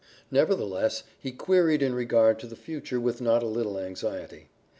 Nevertheless, he queried in regard to the future with not a little anxiety.